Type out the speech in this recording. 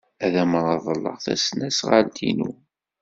Ad am-reḍleɣ tasnasɣalt-inu.